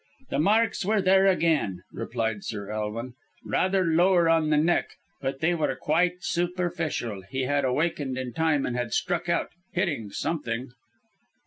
"The marks were there again," replied Sir Elwin; "rather lower on the neck. But they were quite superficial. He had awakened in time and had struck out hitting something."